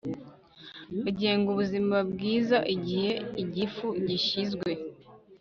agenga ubuzima bwiza Igihe igifu gishyizwe